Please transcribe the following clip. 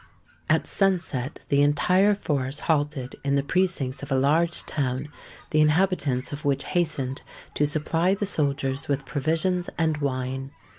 At sunset the entire force halted in the precincts of a large town, the inhabitants of which hastened to supply the soldiers with provisions and wine.